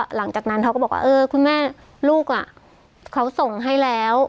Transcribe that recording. หลังจากนั้นเขาก็บอกว่าเออคุณแม่ลูกเขาส่งให้แล้ว